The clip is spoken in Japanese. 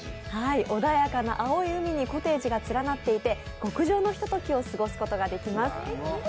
穏やかな青い海にコテージが連なっていて、極上のひとときを過ごすことができます。